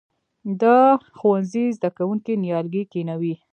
د ښوونځي زده کوونکي نیالګي کینوي؟